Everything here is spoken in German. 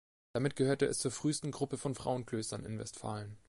Damit gehörte es zur frühesten Gruppe von Frauenklöstern in Westfalen.